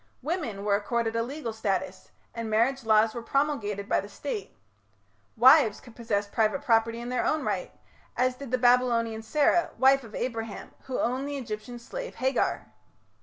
Women were accorded a legal status and marriage laws were promulgated by the State. Wives could possess private property in their own right, as did the Babylonian Sarah, wife of Abraham, who owned the Egyptian slave Hagar.